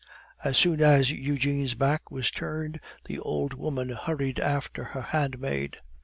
As soon as Eugene's back was turned, the old woman hurried after her handmaid.